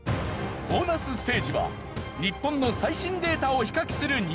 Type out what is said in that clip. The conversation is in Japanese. ボーナスステージは日本の最新データを比較する